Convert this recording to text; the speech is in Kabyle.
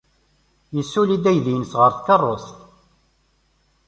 Yessuli-d aydi-nnes ɣer tkeṛṛust.